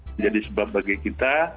menjadi sebab bagi kita